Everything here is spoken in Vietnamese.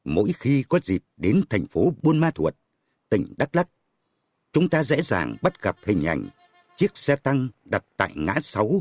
mỗi khi có dịp đến thành phố buôn ma thuột tỉnh đắk lắc chúng ta dễ dàng bắt gặp hình ảnh chiếc xe tăng đặt tại ngã sáu